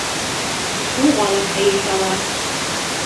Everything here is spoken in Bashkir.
Шуға ла һыйышалар.